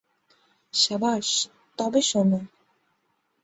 শাবাশ, তবে শোনো।